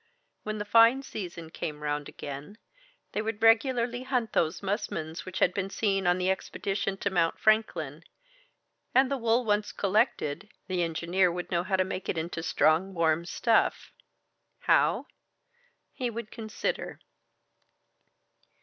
When the fine season came round again, they would regularly hunt those musmons which had been seen on the expedition to Mount Franklin, and the wool once collected, the engineer would know how to make it into strong warm stuff.... How? He would consider.